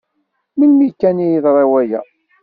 Melmi kan i d-yeḍra waya.